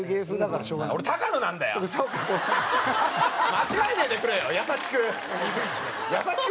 間違えねえでくれよ優しく。